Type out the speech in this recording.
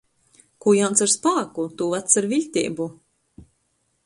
Kū jauns ar spāku, tū vacs ar viļteibu.